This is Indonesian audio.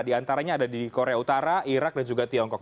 di antaranya ada di korea utara irak dan juga tiongkok